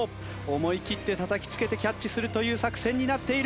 思い切ってたたきつけてキャッチするという作戦になっている。